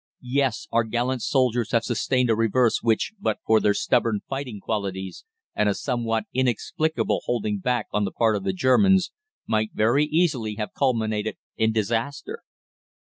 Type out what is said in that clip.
"Yes, our gallant soldiers have sustained a reverse which, but for their stubborn fighting qualities and a somewhat inexplicable holding back on the part of the Germans, might very easily have culminated in disaster.